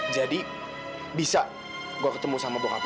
jadi bisa gue ketemu sama bapak lo